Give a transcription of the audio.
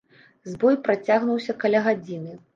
Збой працягнуўся каля гадзіны.